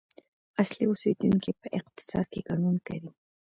اصلي اوسیدونکي په اقتصاد کې ګډون کوي.